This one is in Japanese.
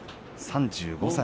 ３５歳。